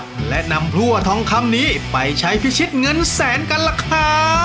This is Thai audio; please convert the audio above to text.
เพื่อนำพรั่งขำนี้ไปใช้พิชิตเงินแสนกันแหละค่ะ